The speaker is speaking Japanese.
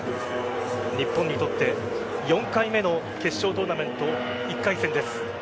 日本にとって４回目の決勝トーナメント１回戦です。